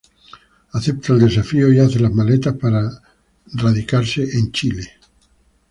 Acepta el desafío y hace las maletas para radicarse en Chile.